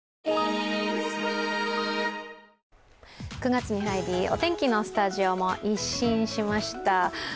９月に入りお天気のスタジオも一新しました。